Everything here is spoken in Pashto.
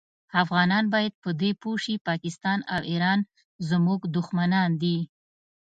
افغانان باید په دي پوه شي پاکستان او ایران زمونږ دوښمنان دي